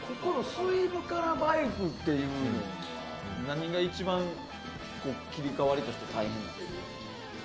スイムからバイクっていうのは何が一番切り替わりとして大変になってくるんですか。